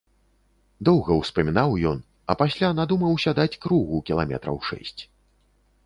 Доўга ўспамінаў ён, а пасля надумаўся даць кругу кіламетраў шэсць.